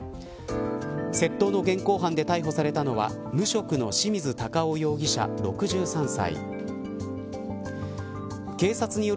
窃盗の現行犯で逮捕されたのは無職の清水孝男容疑者、６３歳。